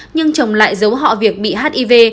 nhưng chồng lại giấu họ việc bị hiv